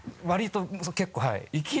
わりと結構はい。